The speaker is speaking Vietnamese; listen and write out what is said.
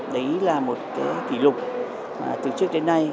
đấy là một kỷ lục từ trước đến nay